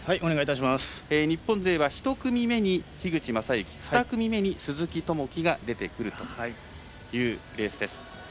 日本勢は１組目に樋口政幸２組目に鈴木朋樹が出てくるというレースです。